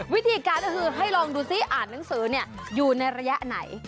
วิธีการก็คือให้ลองดูซิอ่านหนังสืออยู่ในระยะไหน